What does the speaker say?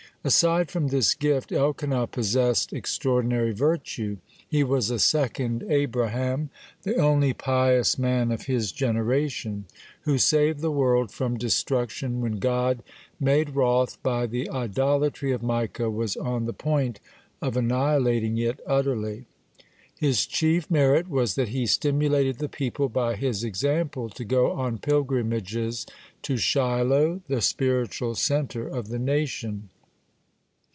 (2) Aside from this gift, Elkanah possessed extraordinary virtue. He was a second Abraham, the only pious man of his generation, who saved the world from destruction when God, made wroth by the idolatry of Micah, was on the point of annihilating it utterly. (3) His chief merit was that he stimulated the people by his example to go on pilgrimages to Shiloh, the spiritual centre of the nation.